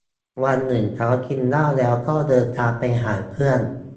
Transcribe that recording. วันหนึ่งเขากินเหล้าแล้วก็เดินทางไปหาเพื่อน